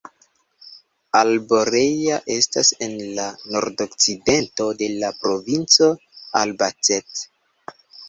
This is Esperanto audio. Alborea estas en la nordokcidento de la provinco Albacete.